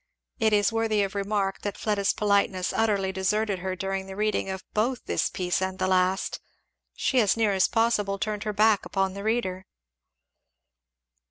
It is worthy of remark that Fleda's politeness utterly deserted her during the reading of both this piece and the last. She as near as possible turned her back upon the reader.